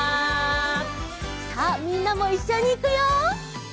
さあみんなもいっしょにいくよ！